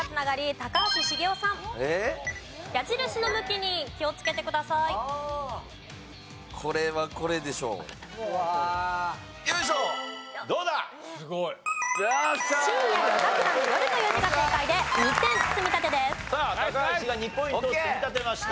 高橋が２ポイントを積み立てました。